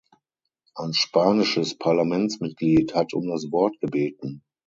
Ein spanisches Parlamentsmitglied hat um das Wort gebeten.